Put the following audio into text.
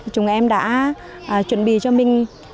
chúng em đã chuẩn bị cho mình